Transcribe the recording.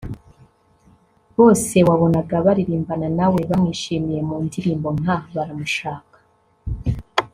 Bose wabonaga baririmbana nawe bamwishimiye mu ndirimbo nka “Baramushaka”